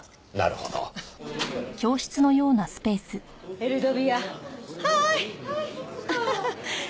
エルドビアハイ！